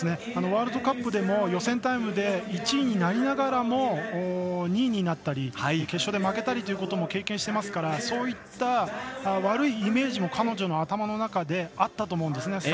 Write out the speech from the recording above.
ワールドカップでも予選タイムで１位になりながらも２位になったり決勝で負けたりということも経験していますからそういった悪いイメージも彼女の頭の中であったと思うんですね。